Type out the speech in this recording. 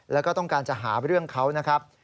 แล้วก็ต้องการจะหาเรื่องเขานะครับ